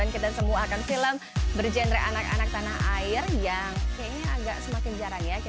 kita semua sendirian waktu kita gak banyak